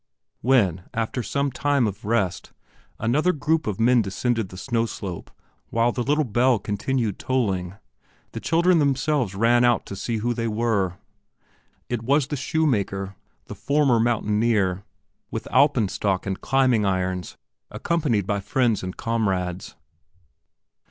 When, after some time of rest, another group of men descended the snow slope while the little bell continued tolling, the children themselves ran out to see who they were. It was the shoemaker, the former mountaineer, with Alpen stock and climbing irons, accompanied by friends and comrades.